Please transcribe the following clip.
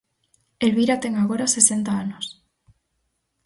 Elvira ten agora sesenta anos.